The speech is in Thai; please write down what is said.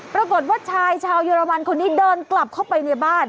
ปรากฏว่าชายชาวเยอรมันคนนี้เดินกลับเข้าไปในบ้าน